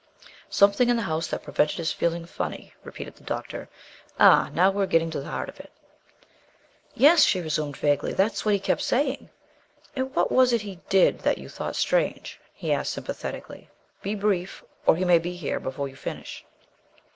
"Something in the house that prevented his feeling funny," repeated the doctor. "Ah, now we're getting to the heart of it!" "Yes," she resumed vaguely, "that's what he kept saying." "And what was it he did that you thought strange?" he asked sympathetically. "Be brief, or he may be here before you finish."